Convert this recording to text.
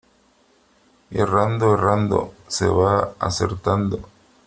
Errando, errando, se va acertando.